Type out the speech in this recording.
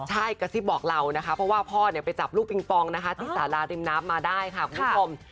ใช่กระซิบบอกเรานะคะเพราะว่าพ่อไปจับลูกปิงปองนะคะที่สาราริมน้ำมาได้ค่ะคุณผู้ชม